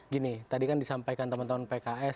gini tadi kan disampaikan teman teman pks